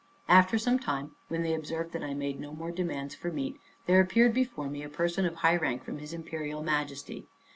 After some time, when they observed that I made no more demands for meat; there appeared before me a person of high rank from his Imperial Majesty.